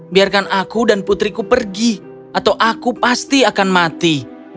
biarkan aku dan putriku pergi atau aku pasti akan mati